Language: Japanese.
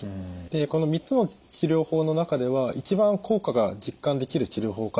でこの３つの治療法の中では一番効果が実感できる治療法かと思います。